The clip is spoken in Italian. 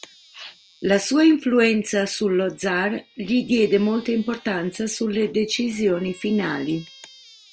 La sua influenza sullo zar gli diede molta importanza sulle decisioni finali.